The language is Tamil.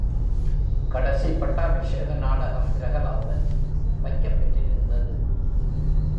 கடைசி பட்டாபிஷேக நாடகம் பிரகலாதன் வைக்கப் பெற்றிருந்தது.